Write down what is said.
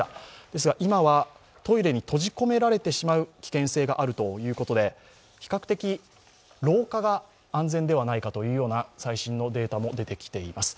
ですが今はトイレに閉じ込められてしまう危険性があるということで比較的廊下が安全ではないかという最新のデータも出てきています。